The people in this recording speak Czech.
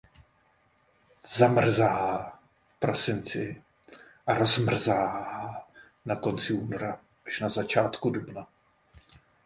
Zamrzá v prosinci a rozmrzá na konci února až na začátku dubna.